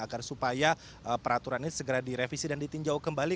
agar supaya peraturan ini segera direvisi dan ditinjau kembali